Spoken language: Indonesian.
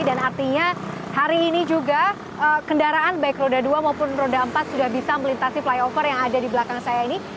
dan artinya hari ini juga kendaraan baik roda dua maupun roda empat sudah bisa melintasi flyover yang ada di belakang saya ini